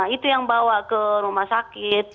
itu yang bawa ke rumah sakit